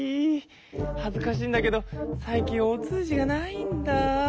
はずかしいんだけど最近お通じがないんだ。